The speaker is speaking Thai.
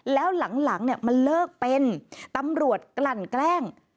แล้วหลังมันเลิกเป็นตำรวจกลั่นแกล้ง